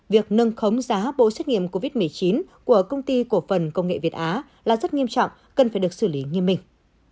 việc nâng khống giá bộ xét nghiệm covid một mươi chín của công ty cổ phần công nghệ việt á là rất nghiêm trọng cần phải được xử lý nghiêm minh